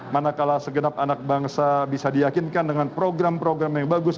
manakala segenap anak bangsa bisa diyakinkan dengan program program yang bagus